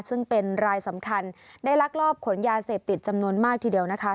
ซึ่งเป็นรายสำคัญได้ลักลอบขนยาเสพติดจำนวนมากทีเดียวนะคะ